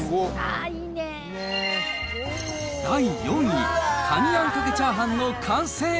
第４位、カニあんかけチャーハンの完成。